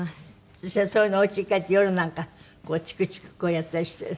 そしたらそういうのおうちに帰って夜なんかチクチクこうやったりしてる？